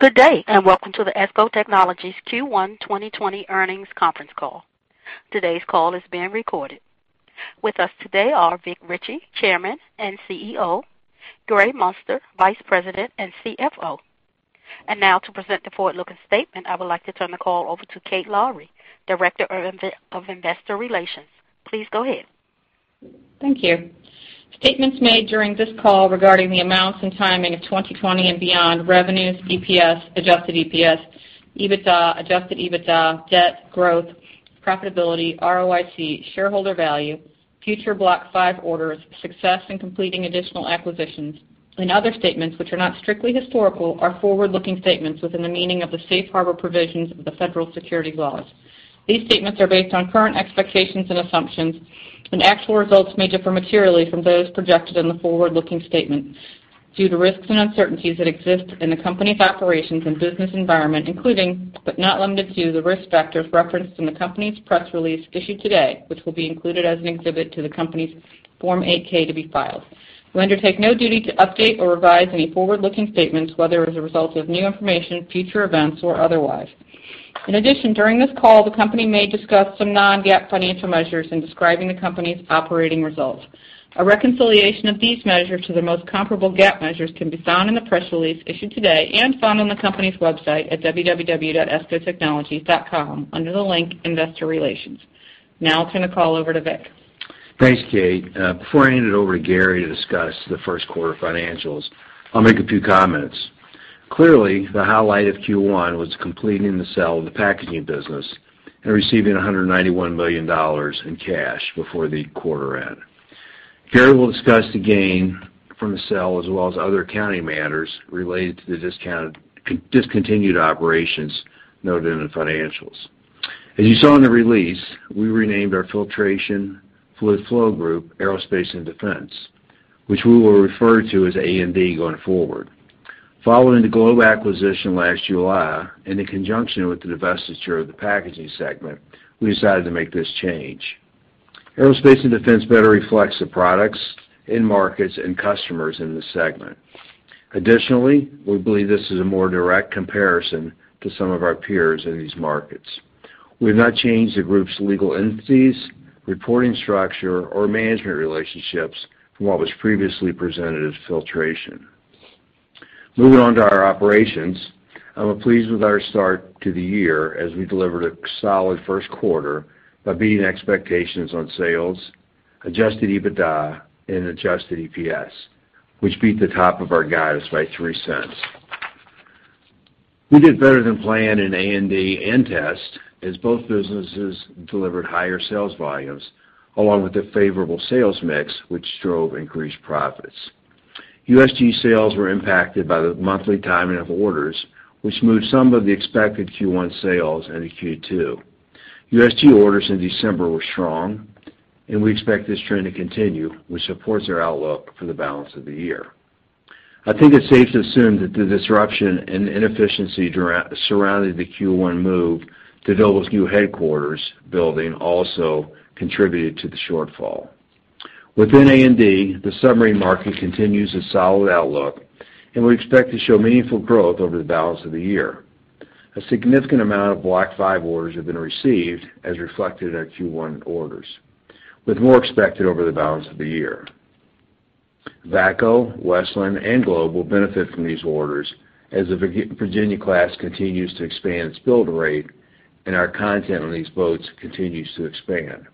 Good day and welcome to the ESCO Technologies Q1 2020 Earnings Conference Call. Today's call is being recorded. With us today are Vic Richey, Chairman and CEO; Gary Muenster, Vice President and CFO. And now to present the forward-looking statement, I would like to turn the call over to Kate Lowrey, Director of Investor Relations. Please go ahead. Thank you. Statements made during this call regarding the amounts and timing of 2020 and beyond: revenues, EPS, adjusted EPS, EBITDA, adjusted EBITDA, debt, growth, profitability, ROIC, shareholder value, future Block V orders, success in completing additional acquisitions. Other statements which are not strictly historical are forward-looking statements within the meaning of the safe harbor provisions of the federal securities laws. These statements are based on current expectations and assumptions, and actual results may differ materially from those projected in the forward-looking statement due to risks and uncertainties that exist in the company's operations and business environment, including but not limited to the risk factors referenced in the company's press release issued today, which will be included as an exhibit to the company's Form 8-K to be filed. We undertake no duty to update or revise any forward-looking statements, whether as a result of new information, future events, or otherwise. In addition, during this call, the company may discuss some non-GAAP financial measures in describing the company's operating results. A reconciliation of these measures to the most comparable GAAP measures can be found in the press release issued today and found on the company's website at www.escotechnologies.com under the link Investor Relations. Now I'll turn the call over to Vic. Thanks, Kate. Before I hand it over to Gary to discuss the first quarter financials, I'll make a few comments. Clearly, the highlight of Q1 was completing the sale of the packaging business and receiving $191 million in cash before the quarter end. Gary will discuss the gain from the sale as well as other accounting matters related to the discontinued operations noted in the financials. As you saw in the release, we renamed our Filtration/Fluid Flow group Aerospace & Defense, which we will refer to as A&D going forward. Following the Globe acquisition last July, and in conjunction with the divestiture of the packaging segment, we decided to make this change. Aerospace & Defense better reflects the products in markets and customers in this segment. Additionally, we believe this is a more direct comparison to some of our peers in these markets. We have not changed the group's legal entities, reporting structure, or management relationships from what was previously presented as filtration. Moving on to our operations, I'm pleased with our start to the year as we delivered a solid first quarter by beating expectations on sales, Adjusted EBITDA, and Adjusted EPS, which beat the top of our guidance by $0.03. We did better than plan in A&D and Test as both businesses delivered higher sales volumes along with a favorable sales mix which drove increased profits. USG sales were impacted by the monthly timing of orders, which moved some of the expected Q1 sales into Q2. USG orders in December were strong, and we expect this trend to continue, which supports our outlook for the balance of the year. I think it's safe to assume that the disruption and inefficiency surrounding the Q1 move to Doble's new headquarters building also contributed to the shortfall. Within A&D, the submarine market continues a solid outlook, and we expect to show meaningful growth over the balance of the year. A significant amount of Block V orders have been received as reflected in our Q1 orders, with more expected over the balance of the year. VACCO, Westland, and Globe will benefit from these orders as the Virginia-class continues to expand its build rate, and our content on these boats continues to expand.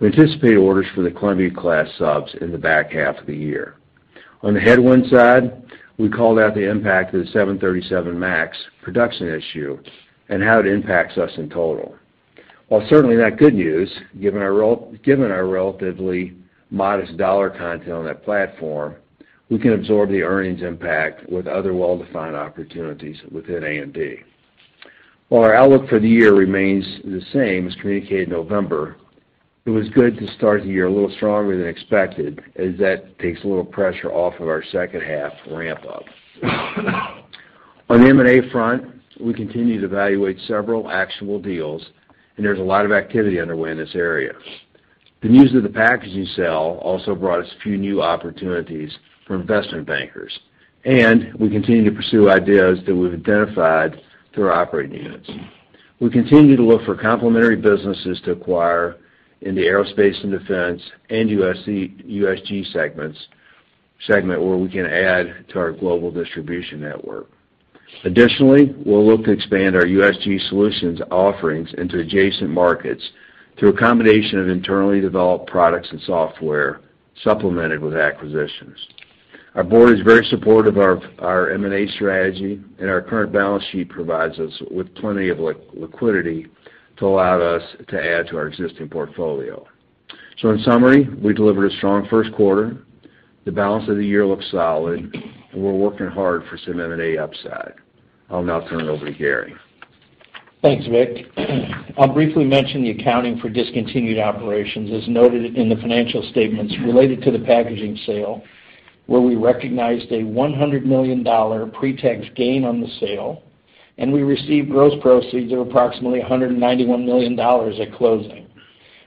We anticipate orders for the Columbia-class subs in the back half of the year. On the headwind side, we called out the impact of the 737 MAX production issue and how it impacts us in total. While certainly not good news, given our relatively modest dollar content on that platform, we can absorb the earnings impact with other well-defined opportunities within A&D. While our outlook for the year remains the same as communicated in November, it was good to start the year a little stronger than expected as that takes a little pressure off of our second half ramp-up. On the M&A front, we continue to evaluate several actionable deals, and there's a lot of activity underway in this area. The news of the packaging sale also brought us a few new opportunities for investment bankers, and we continue to pursue ideas that we've identified through our operating units. We continue to look for complementary businesses to acquire in the Aerospace & Defense and USG segment where we can add to our global distribution network. Additionally, we'll look to expand our USG solutions offerings into adjacent markets through a combination of internally developed products and software supplemented with acquisitions. Our board is very supportive of our M&A strategy, and our current balance sheet provides us with plenty of liquidity to allow us to add to our existing portfolio. So in summary, we delivered a strong first quarter. The balance of the year looks solid, and we're working hard for some M&A upside. I'll now turn it over to Gary. Thanks, Vic. I'll briefly mention the accounting for discontinued operations. As noted in the financial statements related to the packaging sale, where we recognized a $100 million pre-tax gain on the sale, and we received gross proceeds of approximately $191 million at closing.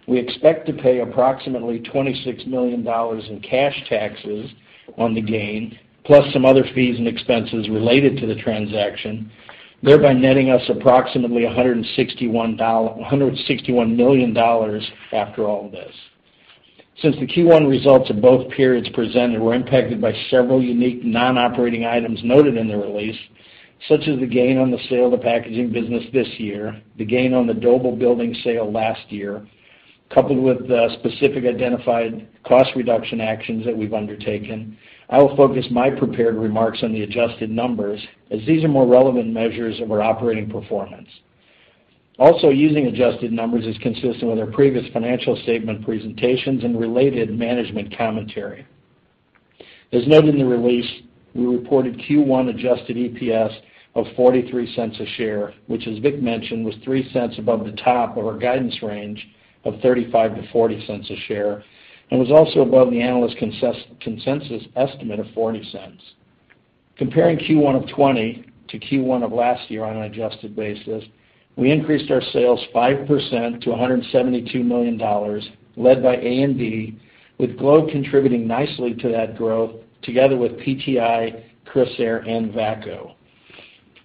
We expect to pay approximately $26 million in cash taxes on the gain, plus some other fees and expenses related to the transaction, thereby netting us approximately $161 million after all of this. Since the Q1 results of both periods presented were impacted by several unique non-operating items noted in the release, such as the gain on the sale of the packaging business this year, the gain on the Doble building sale last year, coupled with specific identified cost reduction actions that we've undertaken, I will focus my prepared remarks on the adjusted numbers as these are more relevant measures of our operating performance. Also, using adjusted numbers is consistent with our previous financial statement presentations and related management commentary. As noted in the release, we reported Q1 adjusted EPS of $0.43 per share, which, as Vic mentioned, was $0.03 above the top of our guidance range of $0.35-$0.40 per share and was also above the analyst consensus estimate of $0.40. Comparing Q1 of 2020 to Q1 of last year on an adjusted basis, we increased our sales 5% to $172 million, led by A&D, with Globe contributing nicely to that growth together with PTI, Crissair, and VACCO.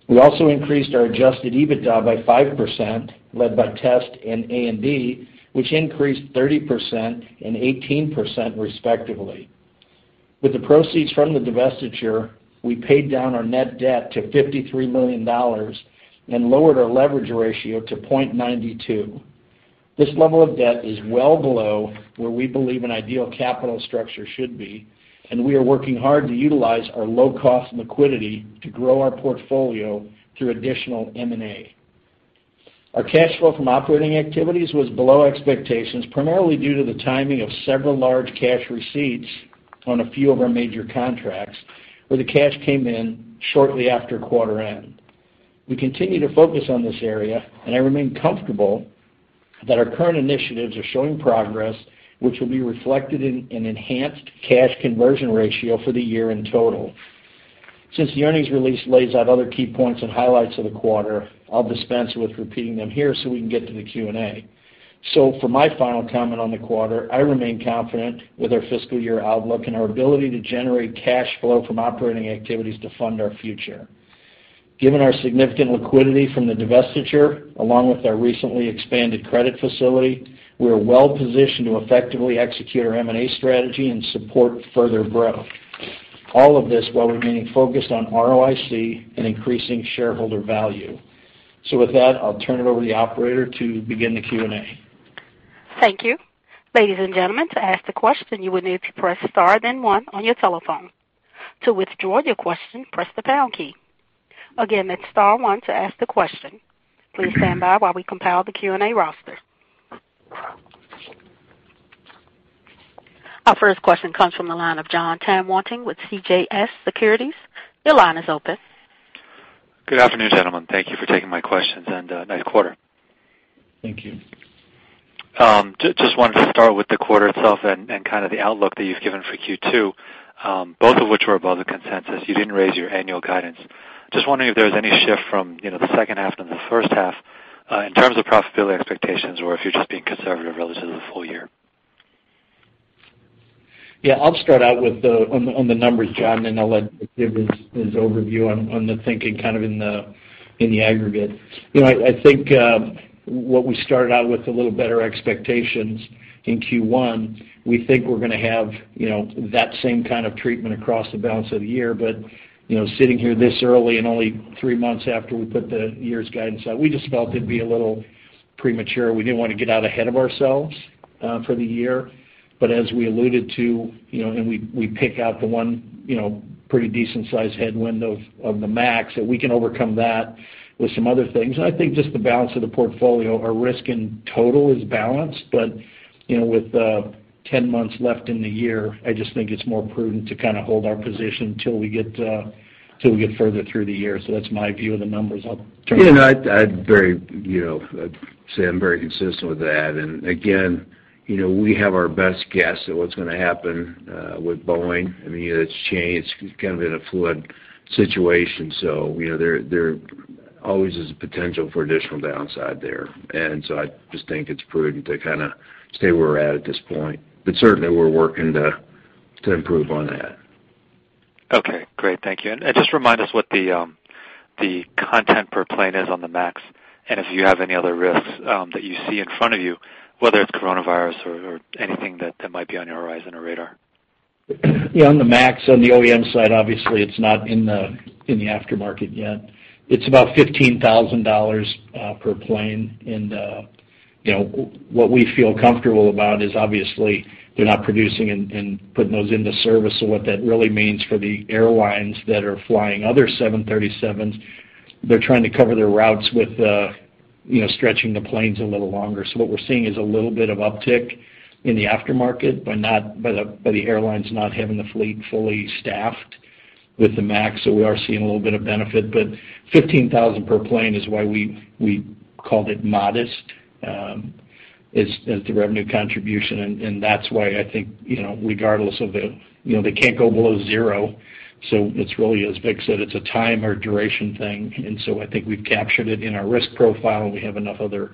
We also increased our adjusted EBITDA by 5%, led by Test and A&D, which increased 30% and 18% respectively. With the proceeds from the divestiture, we paid down our net debt to $53 million and lowered our leverage ratio to 0.92. This level of debt is well below where we believe an ideal capital structure should be, and we are working hard to utilize our low-cost liquidity to grow our portfolio through additional M&A. Our cash flow from operating activities was below expectations, primarily due to the timing of several large cash receipts on a few of our major contracts where the cash came in shortly after quarter end. We continue to focus on this area, and I remain comfortable that our current initiatives are showing progress, which will be reflected in an enhanced cash conversion ratio for the year in total. Since the earnings release lays out other key points and highlights of the quarter, I'll dispense with repeating them here so we can get to the Q&A. So for my final comment on the quarter, I remain confident with our fiscal year outlook and our ability to generate cash flow from operating activities to fund our future. Given our significant liquidity from the divestiture, along with our recently expanded credit facility, we are well positioned to effectively execute our M&A strategy and support further growth. All of this while remaining focused on ROIC and increasing shareholder value. So with that, I'll turn it over to the operator to begin the Q&A. Thank you. Ladies and gentlemen, to ask the question, you will need to press star then one on your telephone. To withdraw your question, press the pound key. Again, it's star one to ask the question. Please stand by while we compile the Q&A roster. Our first question comes from the line of Jon Tanwanteng with CJS Securities. Your line is open. Good afternoon, gentlemen. Thank you for taking my questions and nice quarter. Thank you. Just wanted to start with the quarter itself and kind of the outlook that you've given for Q2, both of which were above the consensus. You didn't raise your annual guidance. Just wondering if there was any shift from the second half to the first half in terms of profitability expectations or if you're just being conservative relative to the full year. Yes, I'll start out on the numbers, Jon, and I'll give his overview on the thinking kind of in the aggregate. I think what we started out with a little better expectations in Q1, we think we're going to have that same kind of treatment across the balance of the year. But sitting here this early and only three months after we put the year's guidance out, we just felt it'd be a little premature. We didn't want to get out ahead of ourselves for the year. But as we alluded to, and we pick out the one pretty decent-sized headwind of the MAX, that we can overcome that with some other things. I think just the balance of the portfolio, our risk in total is balanced, but with 10 months left in the year, I just think it's more prudent to kind of hold our position until we get further through the year. That's my view of the numbers. I'll turn it over. Yes, I'd say I'm very consistent with that. And again, we have our best guess at what's going to happen with Boeing. I mean, it's kind of in a fluid situation, so there always is a potential for additional downside there. And so I just think it's prudent to kind of stay where we're at this point. But certainly, we're working to improve on that. Okay. Great. Thank you. Just remind us what the content per plane is on the MAX and if you have any other risks that you see in front of you, whether it's coronavirus or anything that might be on your horizon or radar? Yes, on the MAX, on the OEM side, obviously, it's not in the aftermarket yet. It's about $15,000 per plane. And what we feel comfortable about is, obviously, they're not producing and putting those into service. So what that really means for the airlines that are flying other 737s, they're trying to cover their routes with stretching the planes a little longer. So what we're seeing is a little bit of uptick in the aftermarket by the airlines not having the fleet fully staffed with the MAX. So we are seeing a little bit of benefit. But $15,000 per plane is why we called it modest as the revenue contribution. And that's why I think, regardless of the they can't go below zero. So it's really, as Vic said, it's a time or duration thing. I think we've captured it in our risk profile, and we have enough other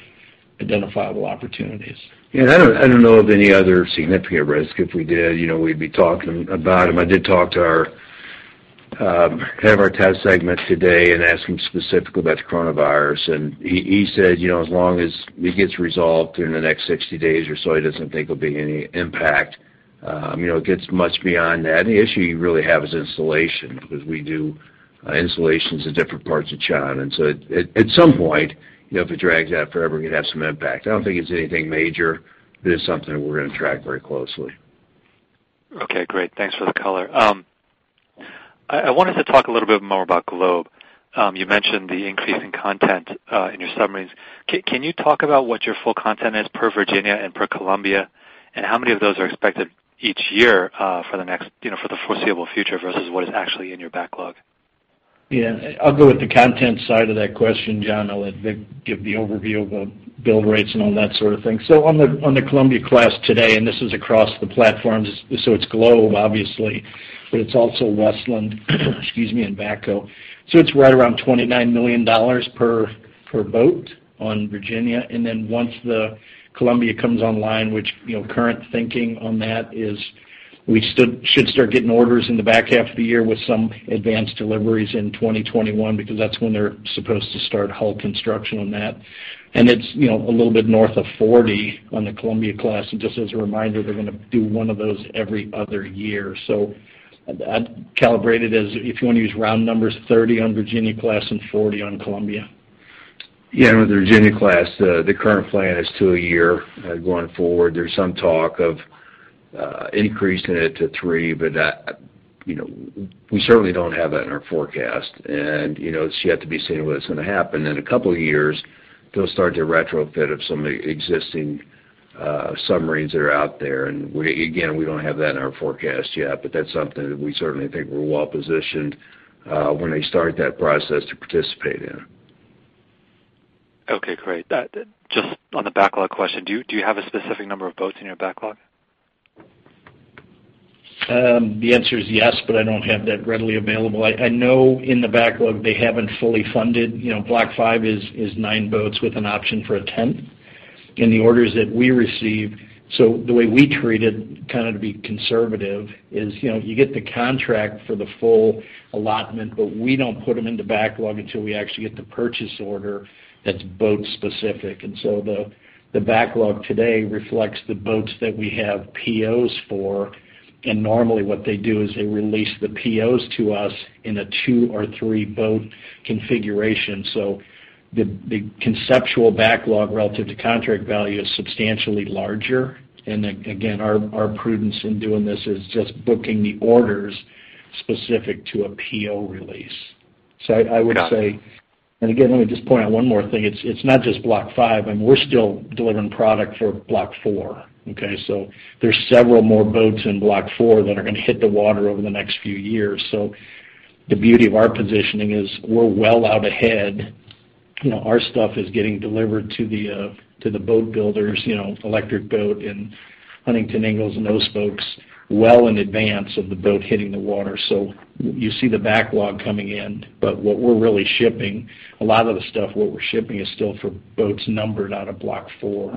identifiable opportunities. Yes, and I don't know of any other significant risk. If we did, we'd be talking about them. I did talk to our head of our Test segment today and asked him specifically about the coronavirus. And he said as long as it gets resolved during the next 60 days or so, he doesn't think there'll be any impact. It gets much beyond that. The issue you really have is installation because we do installations in different parts of China. And so at some point, if it drags out forever, it could have some impact. I don't think it's anything major. It is something that we're going to track very closely. Okay. Great. Thanks for the color. I wanted to talk a little bit more about Globe. You mentioned the increase in content in your summaries. Can you talk about what your full content is per Virginia and per Columbia, and how many of those are expected each year for the next for the foreseeable future versus what is actually in your backlog? Yes, I'll go with the content side of that question, Jon. I'll let Vic give the overview of the build rates and all that sort of thing. So on the Columbia class today, and this is across the platforms, so it's Globe, obviously, but it's also Westland, excuse me, and VACCO. So it's right around $29 million per boat on Virginia. And then once the Columbia comes online, which current thinking on that is we should start getting orders in the back half of the year with some advanced deliveries in 2021 because that's when they're supposed to start hull construction on that. And it's a little bit north of $40 million on the Columbia class. And just as a reminder, they're going to do one of those every other year. So I calibrated as if you want to use round numbers, 30 on Virginia-class and 40 on Columbia-class. Yes, with the Virginia-class, the current plan is 2 a year going forward. There's some talk of increasing it to three, but we certainly don't have that in our forecast. And it's yet to be seen what it's going to happen. In a couple of years, they'll start to retrofit of some existing submarines that are out there. And again, we don't have that in our forecast yet, but that's something that we certainly think we're well positioned when they start that process to participate in. Okay. Great. Just on the backlog question, do you have a specific number of boats in your backlog? The answer is yes, but I don't have that readily available. I know in the backlog, they haven't fully funded. Block V is nine boats with an option for a tenth. In the orders that we receive so the way we treat it, kind of to be conservative, is you get the contract for the full allotment, but we don't put them into backlog until we actually get the purchase order that's boat-specific. And so the backlog today reflects the boats that we have POs for. And normally, what they do is they release the POs to us in a two or three boat configuration. So the conceptual backlog relative to contract value is substantially larger. And again, our prudence in doing this is just booking the orders specific to a PO release. So I would say and again, let me just point out one more thing. It's not just Block V. I mean, we're still delivering product for Block IV, okay? So there's several more boats in Block IV that are going to hit the water over the next few years. So the beauty of our positioning is we're well out ahead. Our stuff is getting delivered to the boat builders, Electric Boat and Huntington Ingalls and those folks, well in advance of the boat hitting the water. So you see the backlog coming in, but what we're really shipping a lot of the stuff, what we're shipping is still for boats numbered out of Block IV.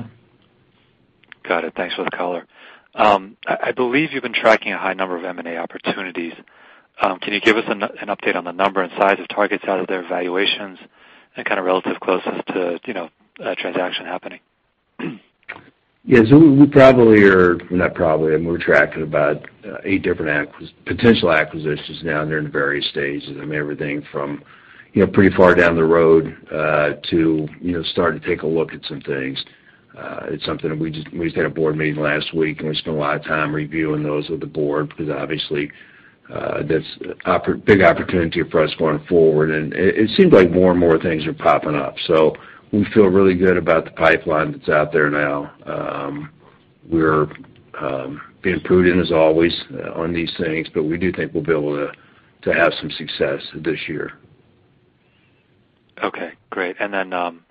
Got it. Thanks for the color. I believe you've been tracking a high number of M&A opportunities. Can you give us an update on the number and size of targets out of their evaluations and kind of relative closest to a transaction happening? Yes, so we probably are not. I mean, we're tracking about 8 different potential acquisitions now, and they're in various stages. I mean, everything from pretty far down the road to start to take a look at some things. It's something we just had a board meeting last week, and we spent a lot of time reviewing those with the board because, obviously, that's a big opportunity for us going forward. And it seems like more and more things are popping up. So we feel really good about the pipeline that's out there now. We're being prudent, as always, on these things, but we do think we'll be able to have some success this year. Okay. Great. And then,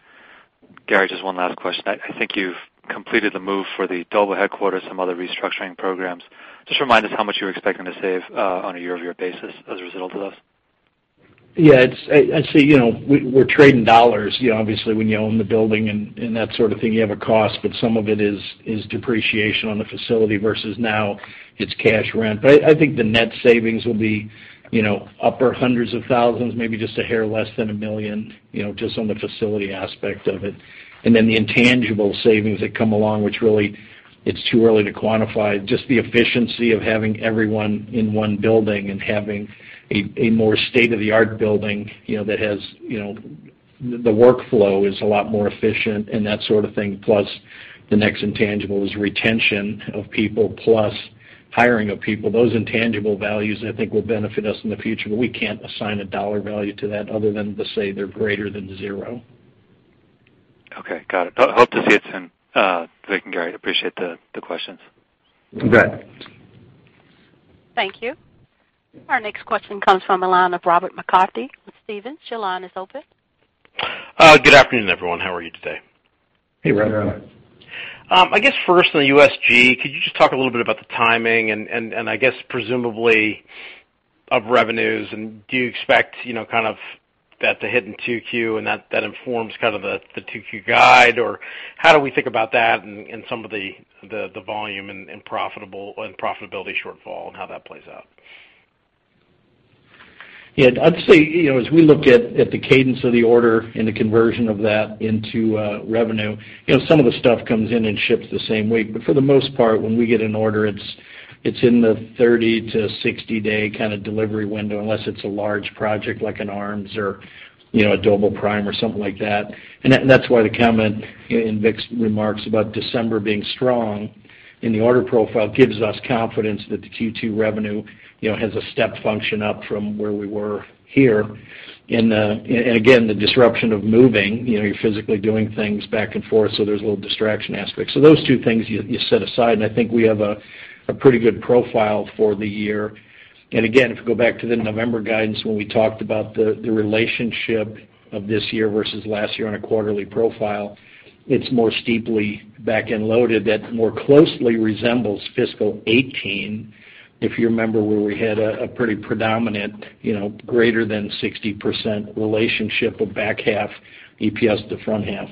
Gary, just one last question. I think you've completed the move for the Doble headquarters, some other restructuring programs. Just remind us how much you're expecting to save on a year-over-year basis as a result of this. Yes, I'd say we're trading dollars. Obviously, when you own the building and that sort of thing, you have a cost, but some of it is depreciation on the facility versus now it's cash rent. But I think the net savings will be in the upper hundreds of thousands, maybe just a hair less than $1 million just on the facility aspect of it. And then the intangible savings that come along, which really it's too early to quantify. Just the efficiency of having everyone in one building and having a more state-of-the-art building that has the workflow is a lot more efficient and that sort of thing, plus the next intangible is retention of people plus hiring of people. Those intangible values, I think, will benefit us in the future, but we can't assign a dollar value to that other than to say they're greater than zero. Okay. Got it. Hope to see it soon, Vic and Gary. Appreciate the questions. Right. Thank you. Our next question comes from a line of Robert McCarthy with Stephens. Your line is open. Good afternoon, everyone. How are you today? Hey, Ryan. I guess first, on the USG, could you just talk a little bit about the timing and, I guess, presumably, of revenues? And do you expect kind of that to hit in 2Q and that informs kind of the 2Q guide, or how do we think about that and some of the volume and profitability shortfall and how that plays out? Yes, I'd say as we look at the cadence of the order and the conversion of that into revenue, some of the stuff comes in and ships the same way. But for the most part, when we get an order, it's in the 30-60-day kind of delivery window unless it's a large project like an ARM or a doblePRIME or something like that. And that's why the comment in Vic's remarks about December being strong in the order profile gives us confidence that the Q2 revenue has a step function up from where we were here. And again, the disruption of moving, you're physically doing things back and forth, so there's a little distraction aspect. So those two things you set aside, and I think we have a pretty good profile for the year. And again, if we go back to the November guidance when we talked about the relationship of this year versus last year on a quarterly profile, it's more steeply back-end loaded. That more closely resembles fiscal 2018, if you remember, where we had a pretty predominant greater-than 60% relationship of back half EPS to front half.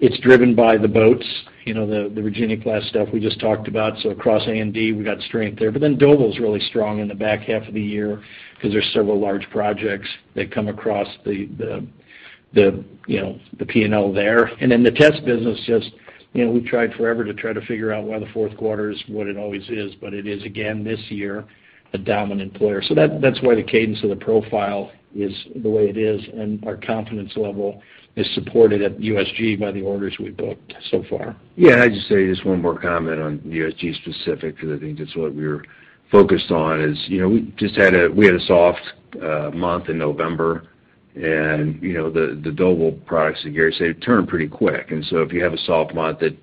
It's driven by the boats, the Virginia-class stuff we just talked about. So across A&D, we got strength there. But then Doble's really strong in the back half of the year because there's several large projects that come across the P&L there. And then the Test business, just we've tried forever to try to figure out why the fourth quarter is what it always is, but it is, again, this year, a dominant player. So that's why the cadence of the profile is the way it is, and our confidence level is supported at USG by the orders we've booked so far. Yes, and I'd just say just one more comment on USG specific because I think that's what we were focused on is we just had a soft month in November, and the Doble products that Gary said turned pretty quick. And so if you have a soft month, it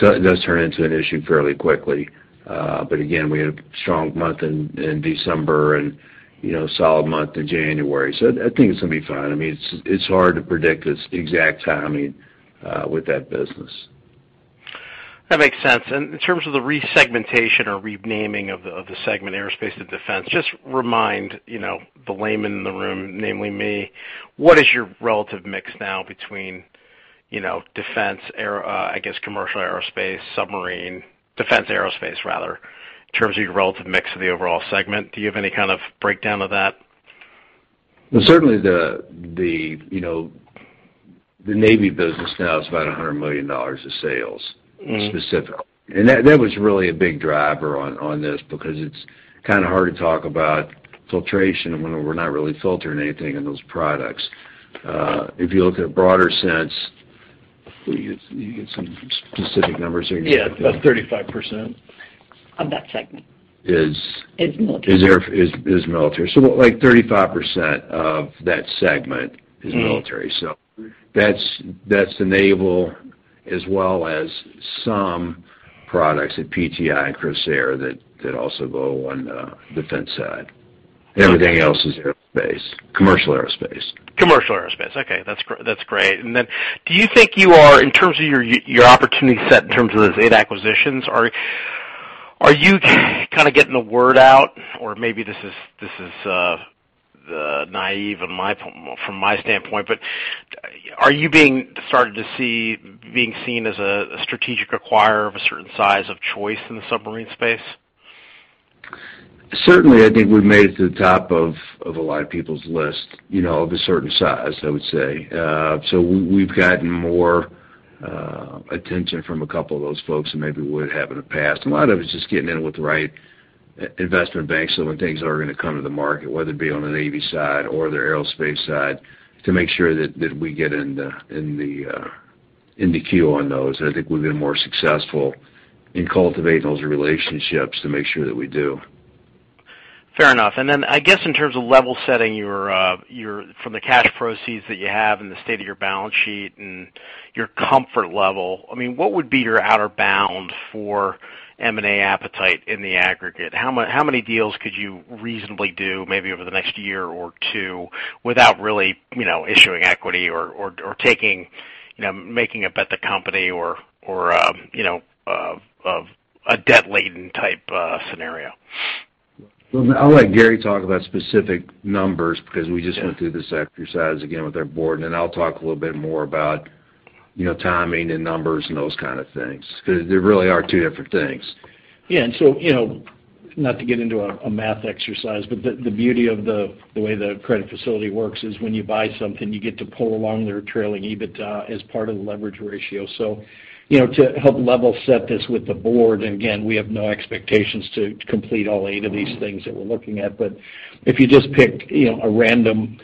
does turn into an issue fairly quickly. But again, we had a strong month in December and a solid month in January. So I think it's going to be fine. I mean, it's hard to predict its exact timing with that business. That makes sense. And in terms of the resegmentation or renaming of the segment, aerospace to defense, just remind the layman in the room, namely me, what is your relative mix now between defense, I guess, commercial aerospace, submarine defense aerospace, rather, in terms of your relative mix of the overall segment? Do you have any kind of breakdown of that? Well, certainly, the Navy business now is about $100 million of sales specifically. That was really a big driver on this because it's kind of hard to talk about filtration when we're not really filtering anything in those products. If you look at a broader sense, you get some specific numbers here. Yes, about 35% on that segment it's military. It's military. So like 35% of that segment is military. So that's the naval as well as some products at PTI and Crissair that also go on the defense side. Everything else is aerospace, commercial aerospace. Commercial aerospace. Okay. That's great. And then do you think you are in terms of your opportunity set in terms of those eight acquisitions, are you kind of getting the word out? Or maybe this is naive from my standpoint, but are you starting to be seen as a strategic acquirer of a certain size of choice in the submarine space? Certainly, I think we've made it to the top of a lot of people's list of a certain size, I would say. So we've gotten more attention from a couple of those folks than maybe we would have in the past. A lot of it's just getting in with the right investment banks so when things are going to come to the market, whether it be on the Navy side or the aerospace side, to make sure that we get in the queue on those. And I think we've been more successful in cultivating those relationships to make sure that we do. Fair enough. Then I guess in terms of level setting from the cash proceeds that you have and the state of your balance sheet and your comfort level, I mean, what would be your outer bound for M&A appetite in the aggregate? How many deals could you reasonably do maybe over the next year or two without really issuing equity or making a bet the company or a debt-laden type scenario? Well, I'll let Gary talk about specific numbers because we just went through this exercise again with our board, and then I'll talk a little bit more about timing and numbers and those kind of things because there really are two different things. Yes, and so not to get into a math exercise, but the beauty of the way the credit facility works is when you buy something, you get to pull along their trailing EBITDA as part of the leverage ratio. So to help level set this with the board, and again, we have no expectations to complete all eight of these things that we're looking at. But if you just pick a random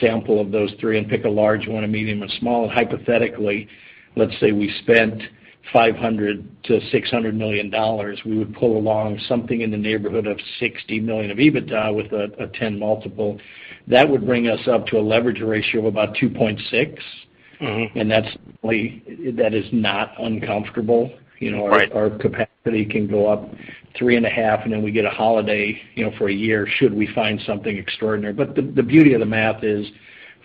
sample of those three and pick a large one, a medium, and a small, and hypothetically, let's say we spent $500 million-$600 million, we would pull along something in the neighborhood of $60 million of EBITDA with a 10x multiple. That would bring us up to a leverage ratio of about 2.6, and that is not uncomfortable. Our capacity can go up 3.5, and then we get a holiday for a year should we find something extraordinary. But the beauty of the math is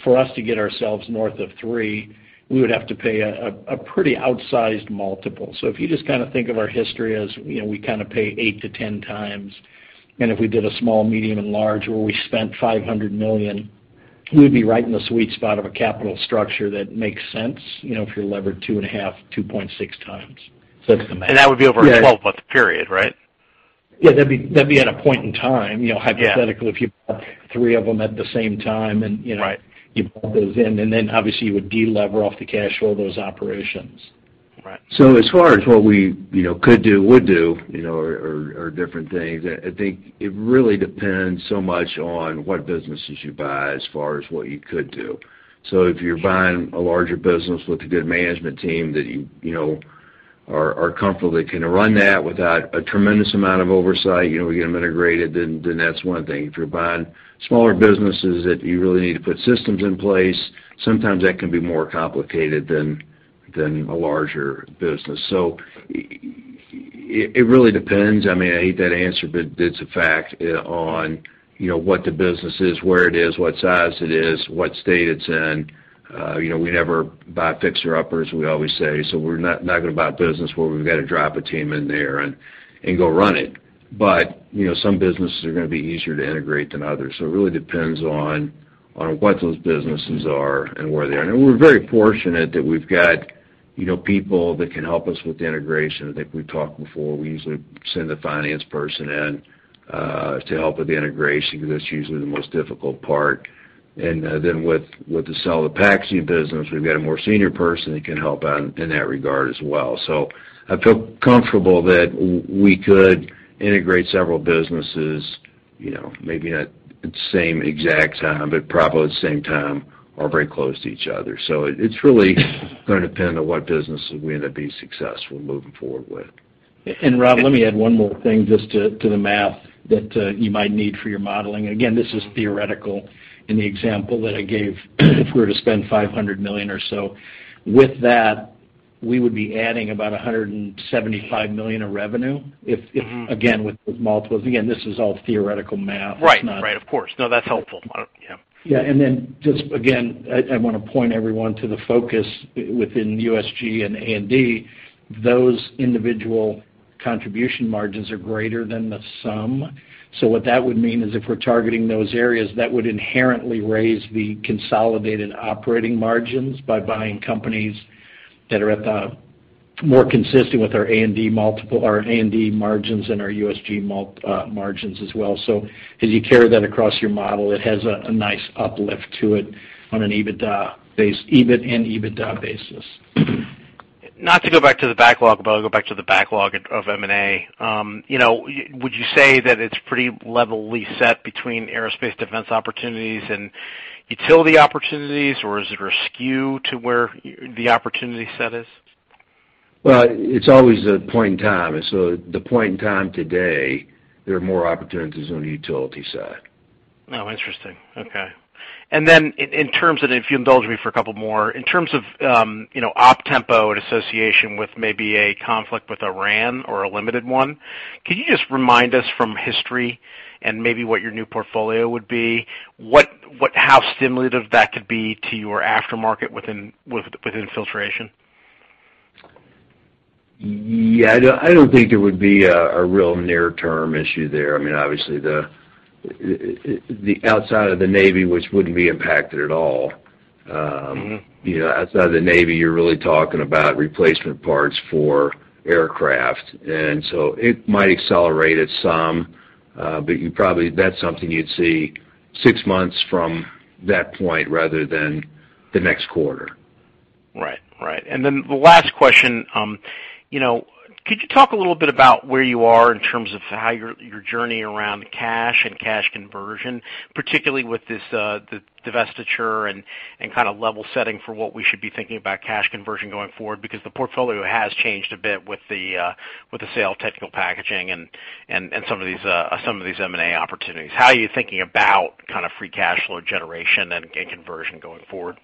for us to get ourselves north of three, we would have to pay a pretty outsized multiple. So if you just kind of think of our history as we kind of pay 8 to 10times. And if we did a small, medium, and large where we spent $500 million, we would be right in the sweet spot of a capital structure that makes sense if you're levered 2.5, 2.6 times. So that's the math. That would be over a 12-month period, right? Yes, that'd be at a point in time. Hypothetically, if you bought three of them at the same time and you bought those in, and then obviously, you would delever off the cash flow of those operations. As far as what we could do, would do, or different things, I think it really depends so much on what businesses you buy as far as what you could do. So if you're buying a larger business with a good management team that you are comfortable that can run that without a tremendous amount of oversight, we get them integrated, then that's one thing. If you're buying smaller businesses that you really need to put systems in place, sometimes that can be more complicated than a larger business. So it really depends. I mean, I hate that answer, but it's a fact on what the business is, where it is, what size it is, what state it's in. We never buy fixer-uppers, we always say. So we're not going to buy a business where we've got to drop a team in there and go run it. But some businesses are going to be easier to integrate than others. So it really depends on what those businesses are and where they are. And we're very fortunate that we've got people that can help us with the integration. I think we've talked before. We usually send the finance person in to help with the integration because that's usually the most difficult part. And then with the sale of the packaging business, we've got a more senior person that can help in that regard as well. So I feel comfortable that we could integrate several businesses, maybe not at the same exact time, but probably at the same time or very close to each other. So it's really going to depend on what businesses we end up being successful moving forward with. Rob, let me add one more thing just to the math that you might need for your modeling. Again, this is theoretical in the example that I gave. If we were to spend $500 million or so, with that, we would be adding about $175 million of revenue if, again, with those multiples. Again, this is all theoretical math. Right. Of course. No, that's helpful. Yes. And then just again, I want to point everyone to the focus within USG and A&D. Those individual contribution margins are greater than the sum. So what that would mean is if we're targeting those areas, that would inherently raise the consolidated operating margins by buying companies that are more consistent with our A&D margins and our USG margins as well. So as you carry that across your model, it has a nice uplift to it on an EBITDA-based EBIT and EBITDA basis. Not to go back to the backlog, but I'll go back to the backlog of M&A. Would you say that it's pretty level set between aerospace defense opportunities and utility opportunities, or is it skewed to where the opportunity set is? Well, it's always a point in time. And so the point in time today, there are more opportunities on the utility side. Oh, interesting. Okay. And then, in terms of, and if you indulge me for a couple more, in terms of op tempo in association with maybe a conflict with Iran or a limited one, could you just remind us from history and maybe what your new portfolio would be, how stimulative that could be to your aftermarket within filtration? Yes, I don't think there would be a real near-term issue there. I mean, obviously, the outside of the Navy, which wouldn't be impacted at all. Outside of the Navy, you're really talking about replacement parts for aircraft. And so it might accelerate it some, but that's something you'd see six months from that point rather than the next quarter. Right. And then the last question, could you talk a little bit about where you are in terms of how your journey around cash and cash conversion, particularly with this divestiture and kind of level setting for what we should be thinking about cash conversion going forward? Because the portfolio has changed a bit with the sale of Technical Packaging and some of these M&A opportunities. How are you thinking about kind of free cash flow generation and conversion going forward?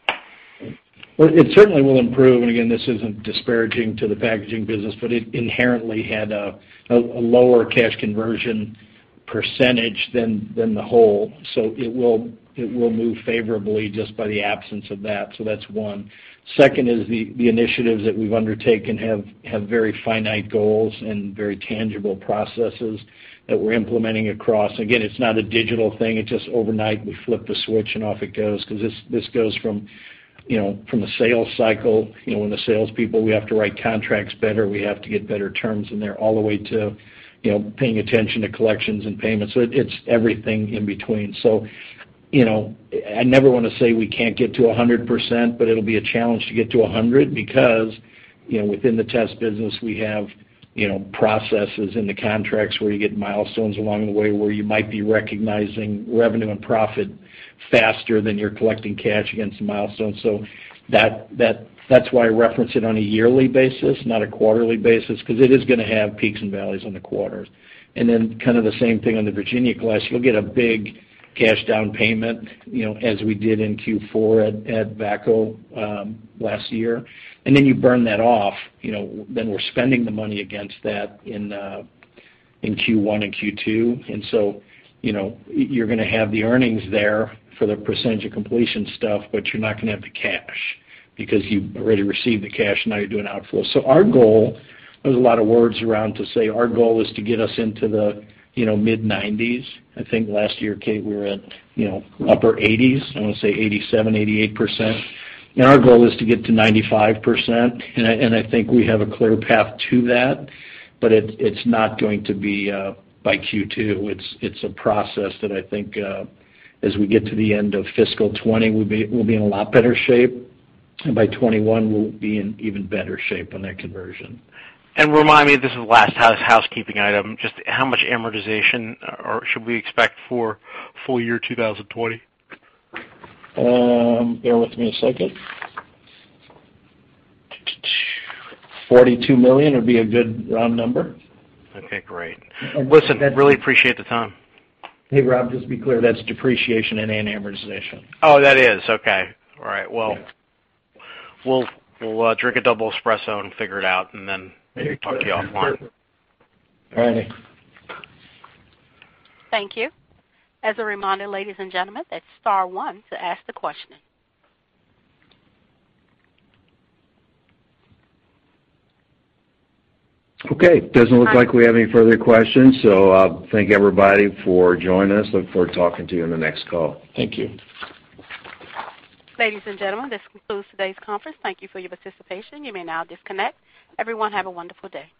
Well, it certainly will improve. Again, this isn't disparaging to the packaging business, but it inherently had a lower cash conversion percentage than the whole. It will move favorably just by the absence of that. That's one. Second is the initiatives that we've undertaken have very finite goals and very tangible processes that we're implementing across. Again, it's not a digital thing. It's just overnight, we flip the switch, and off it goes because this goes from a sales cycle, when the salespeople, we have to write contracts better. We have to get better terms in there all the way to paying attention to collections and payments. It's everything in between. So I never want to say we can't get to 100%, but it'll be a challenge to get to 100% because within the Test business, we have processes in the contracts where you get milestones along the way where you might be recognizing revenue and profit faster than you're collecting cash against the milestones. So that's why I reference it on a yearly basis, not a quarterly basis, because it is going to have peaks and valleys on the quarters. And then kind of the same thing on the Virginia-class, you'll get a big cash down payment as we did in Q4 at VACCO last year. And then you burn that off. Then we're spending the money against that in Q1 and Q2. And so you're going to have the earnings there for the percentage of completion stuff, but you're not going to have the cash because you already received the cash, and now you're doing outflow. So our goal, there's a lot of words around to say, our goal is to get us into the mid-90s. I think last year, Kate, we were at upper 80s. I want to say 87, 88%. And our goal is to get to 95%. And I think we have a clear path to that, but it's not going to be by Q2. It's a process that I think as we get to the end of fiscal 2020, we'll be in a lot better shape. And by 2021, we'll be in even better shape on that conversion. Remind me, this is the last housekeeping item, just how much amortization should we expect for full year 2020? Bear with me a second. $42 million would be a good round number. Okay. Great. Listen, really appreciate the time. Hey, Rob, just be clear, that's depreciation and amortization. Oh, that is. Okay. All right. Well, we'll drink a double espresso and figure it out and then talk to you offline. All righty. Thank you. As a reminder, ladies and gentlemen, that's star one to ask the question. Okay. Doesn't look like we have any further questions. Thank everybody for joining us. Look forward to talking to you on the next call. Thank you. Ladies and gentlemen, this concludes today's conference. Thank you for your participation. You may now disconnect. Everyone, have a wonderful day.